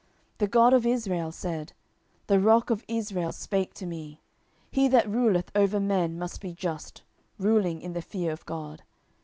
10:023:003 The God of Israel said, the Rock of Israel spake to me, He that ruleth over men must be just, ruling in the fear of God.